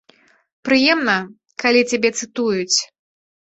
Прыемна, калі цябе цытуюць.